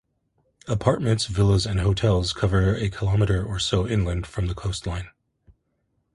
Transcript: Apartments, villas and hotels cover a kilometre or so inland from the coastline.